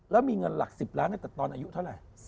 แล้วมีเงินหลัก๑๐ล้านตั้งแต่ตอนอายุเท่าไหร่